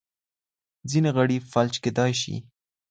ځینې غړي فلج کېدای شي.